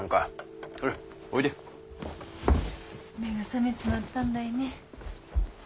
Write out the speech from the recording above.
目が覚めちまったんだいね。